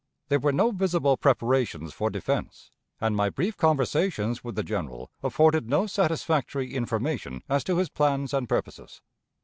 There were no visible preparations for defense, and my brief conversations with the General afforded no satisfactory information as to his plans and purposes.